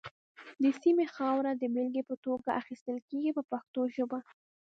د سیمې خاوره د بېلګې په توګه اخیستل کېږي په پښتو ژبه.